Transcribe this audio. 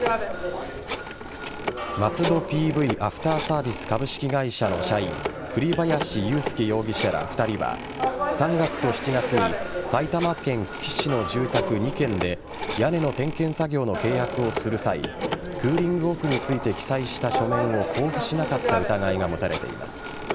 松戸ＰＶアフターサービス株式会社の社員栗林佑輔容疑者ら２人は３月と７月に埼玉県久喜市の住宅２軒で屋根の点検作業の契約をする際クーリングオフについて記載した書面を交付しなかった疑いが持たれています。